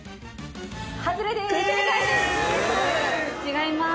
外れでーす。